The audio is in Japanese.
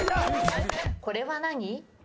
これは何？